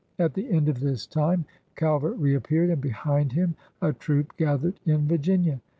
At the end of this time Calvert reappeared, and behind him a troop gathered in Virginia.